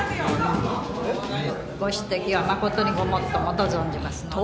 ご指摘は誠にごもっともと存じますので。